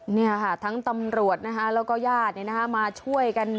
นี่ค่ะทั้งตำรวจนะคะแล้วก็ญาติมาช่วยกัน